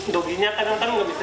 doginya kadang kadang tidak bisa diam